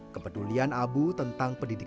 kepedulian abu tentang pendidikan